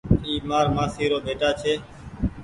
اي مآر مآسي رو ٻيٽآ ڀآئي ڇي